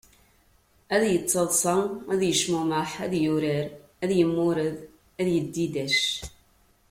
Ad yettaḍsa, ad yecmumeḥ, ad yurar, ad yemmured, ad yedidac.